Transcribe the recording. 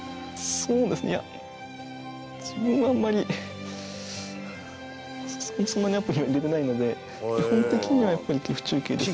そうですねいや、自分は、あんまりそんなにアプリは入れてないので基本的にはやっぱり、棋譜中継です。